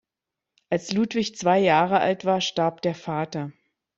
Als Ludwig zwei Jahre alt war, starb der Vater.